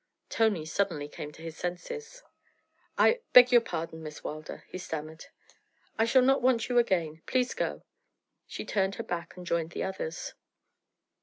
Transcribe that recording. Tony suddenly came to his senses. 'I beg your pardon, Miss Wilder,' he stammered. 'I shall not want you again; please go.' She turned her back and joined the others.